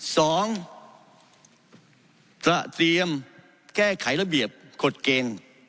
สองตระเตรียมแก้ไขระเบียบกฎเกณฑ์